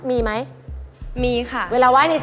มีไหมมีค่ะ